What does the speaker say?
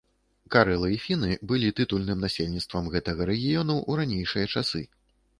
Карэлы і фіны былі тытульным насельніцтвам гэтага рэгіёну ў ранейшыя часы.